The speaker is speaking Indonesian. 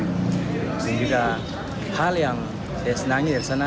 ini juga hal yang saya senangi dari sana